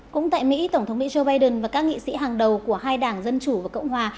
cũng tại mỹ tổng thống mỹ joe biden và các nghị sĩ hàng đầu của hai đảng dân chủ và cộng hòa